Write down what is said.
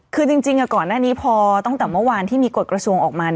คือจริงก่อนหน้านี้พอตั้งแต่เมื่อวานที่มีกฎกระทรวงออกมา